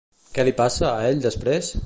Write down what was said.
Què li passa a ell després?